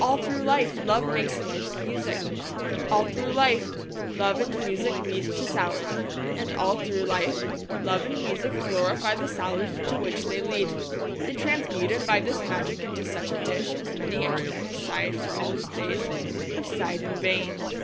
All through life, Love makes life's Music. All through life, Love and Music lead to Salad. And, all through life, Love and Music glorify the Salad to which they lead. They transmute it by this magic into such a dish as many a king has sighed for all his days, but sighed in vain.